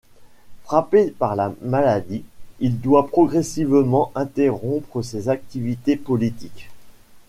Frappé par la maladie, il doit progressivement interrompre ses activités politiques.